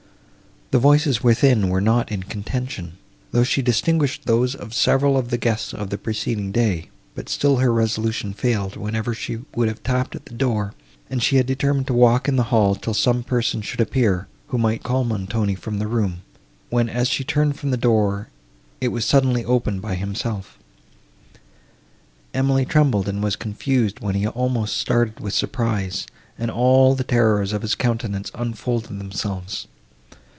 The voices within were not in contention, though she distinguished those of several of the guests of the preceding day; but still her resolution failed, whenever she would have tapped at the door, and she had determined to walk in the hall, till some person should appear, who might call Montoni from the room, when, as she turned from the door, it was suddenly opened by himself. Emily trembled, and was confused, while he almost started with surprise, and all the terrors of his countenance unfolded themselves.